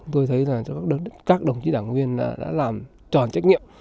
tôi thấy các đồng chí đảng viên đã làm tròn trách nhiệm